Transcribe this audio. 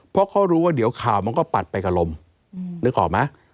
พวกเขาก็ช่วยตามอยู่